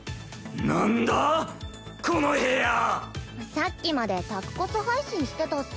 さっきまで宅コス配信してたっス。